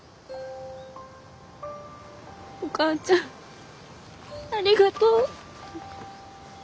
お母ちゃんありがとう。